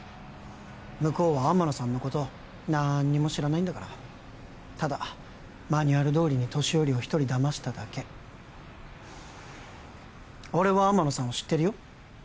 向こうは天野さんのことなんにも知らないんだからただマニュアルどおりに年寄りを一人騙しただけ俺は天野さんを知ってるよ